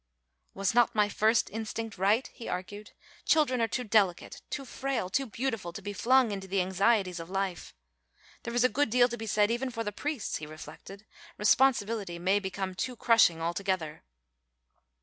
Was not my first instinct right, he argued, children are too delicate, too frail, too beautiful to be flung into the anxieties of life? There is a good deal to be said even for the priests, he reflected, responsibility may become too crushing altogether.